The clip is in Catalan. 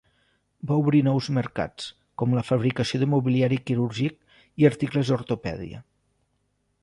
Va obrir nous mercats, com la fabricació de mobiliari quirúrgic i articles d'ortopèdia.